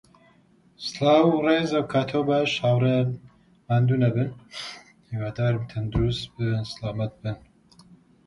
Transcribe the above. مامۆستا ڕەنگی زەرد هەڵگەڕا، هەر تفی قووت دەدا